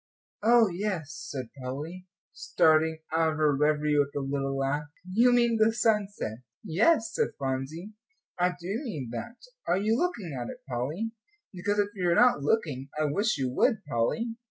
Oh, yes," said Polly, starting out of her revery with a little laugh, "you mean the sunset?" "Yes," said Phronsie, "I do mean that. Are you looking at it, Polly? Because if you are not looking, I wish you would, Polly."